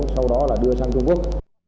sau đó là đưa sang trung quốc